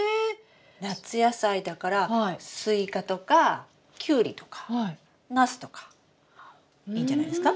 夏野菜だからスイカとかキュウリとかナスとかいいんじゃないですか？